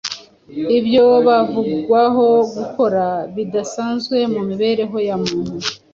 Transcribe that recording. ibyo bavugwaho gukora bidasanzwe mu mibereho ya muntu.